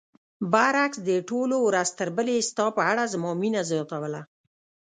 برعکس دې ټولو ورځ تر بلې ستا په اړه زما مینه زیاتوله.